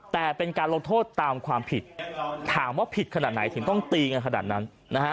แต่เป็นการลงโทษตามความผิดถามว่าผิดขนาดไหนถึงต้องตีกันขนาดนั้น